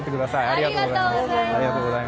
ありがとうございます。